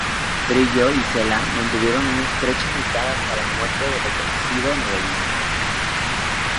Trillo y Cela mantuvieron una estrecha amistad hasta la muerte del reconocido novelista.